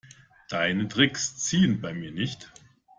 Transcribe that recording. Deine Tricks ziehen bei mir nicht.